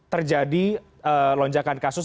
terjadi lonjakan kasus